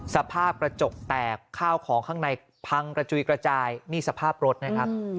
สภาพกระจกแตกข้าวของข้างในพังกระจุยกระจายนี่สภาพรถนะครับ